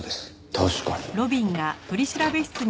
確かに。